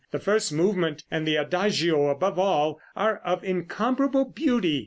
The first movement and the Adagio, above all, are of incomparable beauty.